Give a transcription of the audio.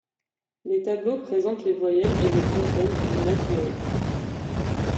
Les tableaux présentent les voyelles et les consonnes du nasioi.